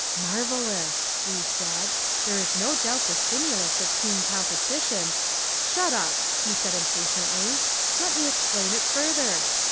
"Marvellous," we said. "There is no doubt the stimulus of keen competition " "Shut up," he said impatiently. "Let me explain it further.